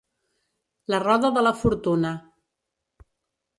La roda de la fortuna.